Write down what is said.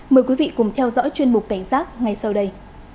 mời quý vị cùng theo dõi chuyên mục cảnh giác ngay sau đây